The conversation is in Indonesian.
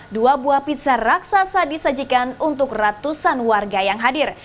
dua buah pizza raksasa disajikan untuk ratusan warga yang hadir